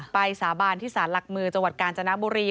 สาบานที่สารหลักเมืองจังหวัดกาญจนบุรี